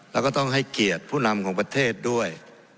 แล้วก็ต้องให้เกียรติผู้นำของประเทศด้วย